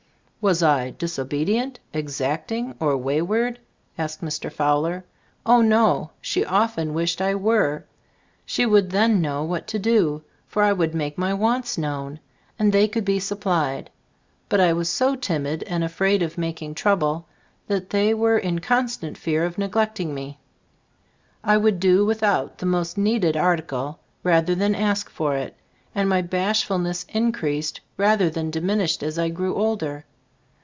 "Was. I' disobe dient, exacting or wayward?" asked Mr. Fowler. Oh no! she often wished I were, she would then know what to do, for I would make my wants known, and they could be sup plied. But I was so timid and afraid of making trouble that they were in constant fear of neglecting me; I would do without the most needed ar ticle rather than ask for it, and my bashfulness increased rather than di minished as I grew older.